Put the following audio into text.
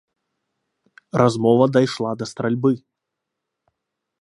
Размова дайшла да стральбы.